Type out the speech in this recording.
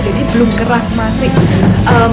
jadi belum keras masih